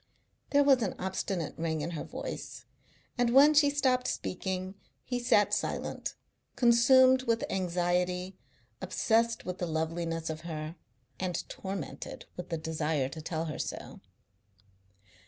There was an obstinate ring in her voice, and when she stopped speaking he sat silent, consumed with anxiety, obsessed with the loveliness of her, and tormented with the desire to tell her so.